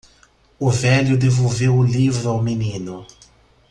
O velho devolveu o livro ao menino.